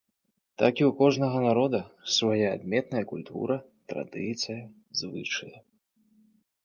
Так і ў кожнага народа свая адметная культура, традыцыя, звычаі.